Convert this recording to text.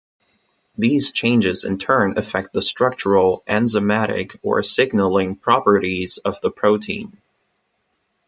These changes in turn affect the structural, enzymatic, or signalling properties of the protein.